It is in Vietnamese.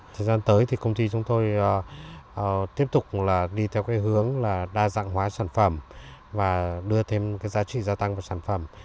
thời gian tới thì công ty chúng tôi tiếp tục đi theo hướng đa dạng hóa sản phẩm và đưa thêm giá trị gia tăng vào sản phẩm